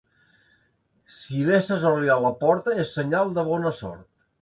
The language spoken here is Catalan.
Si vesses oli a la porta és senyal de bona sort.